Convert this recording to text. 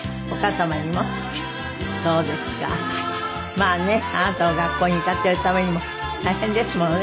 まあねあなたを学校に行かせるためにも大変ですものね